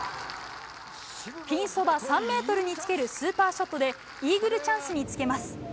ピンそば３メートルにつけるスーパーショットで、イーグルチャンスにつけます。